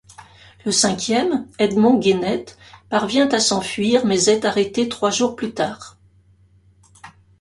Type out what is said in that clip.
Le cinquième, Edmond Guénette, parvient à s'enfuir mais est arrêté trois jours plus tard.